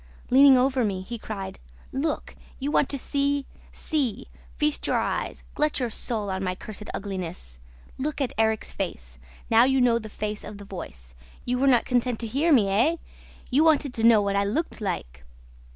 Leaning over me, he cried, 'Look! You want to see! See! Feast your eyes, glut your soul on my cursed ugliness! Look at Erik's face! Now you know the face of the voice! You were not content to hear me, eh? You wanted to know what I looked like!